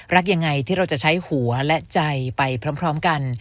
รักอย่างไรที่เราจะใช้หัวและใจไปพร้อมพร้อมกัน